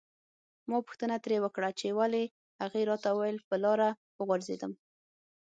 ما پوښتنه ترې وکړه چې ولې هغې راته وویل په لاره وغورځیدم.